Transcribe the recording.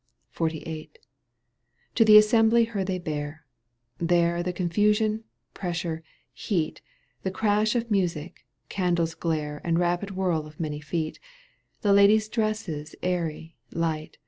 XLVIII. To the assembly her they bear. There the coSlSSion, pressure, heat. The crash of music, candles' glare And rapid whirl of many feet, The ladies' dresses airy, light.